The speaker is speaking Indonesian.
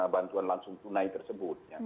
bantuan langsung tunai tersebut